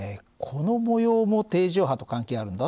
この模様も定常波と関係あるんだ。